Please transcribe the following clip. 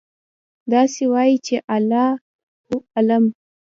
داسې وایئ چې: الله أعلم.